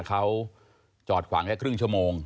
เขาจอดขวางแค่ครึ่งชั่วโมง